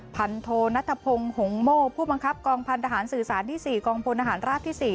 พันธนทภงหงโมผู้บังคับกองพันธหารสื่อสารที่สี่กองพลอดอาหารราบที่สี่